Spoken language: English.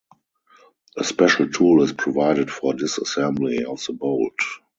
A special tool is provided for disassembly of the bolt.